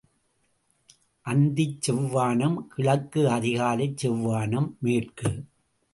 அந்திச் செவ்வானம் கிழக்கு அதிகாலைச் செவ்வானம் மேற்கு.